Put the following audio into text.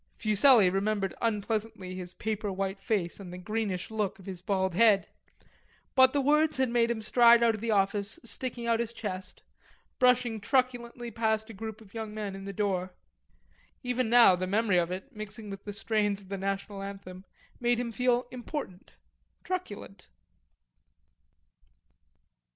Fuselli remembered unpleasantly his paper white face and the greenish look of his bald head; but the words had made him stride out of the office sticking out his chest, brushing truculently past a group of men in the door. Even now the memory of it, mixing with the strains of the national anthem made him feel important, truculent.